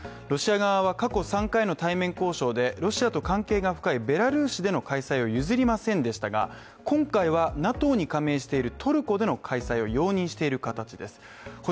ロシア側は過去３回の対面交渉でロシアと関係が深いベラルーシでの開催を譲りませんでしたが、今回はＮＡＴＯに加盟しているトルコでの開催を容認している形です。